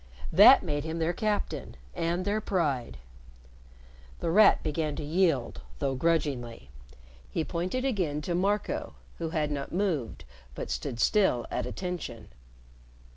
That made him their captain and their pride. The Rat began to yield, though grudgingly. He pointed again to Marco, who had not moved, but stood still at attention.